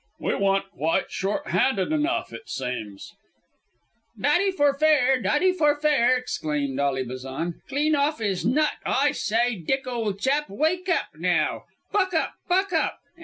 "We wa'n't quite short handed enough, it seems." "Dotty for fair. Dotty for fair," exclaimed Ally Bazan; "clean off 'is nut. I s'y, Dick ol' chap, wyke up, naow. Buck up. Buck up.